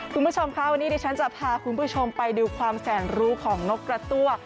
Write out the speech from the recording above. คุณผู้ชมค่ะวันนี้ดิฉันจะพาคุณผู้ชมไปดูความแสนรู้ของนกกระตั้ว